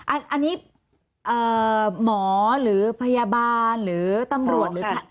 อันนี้หมอหรือพยาบาลหรือตำรวจหรือ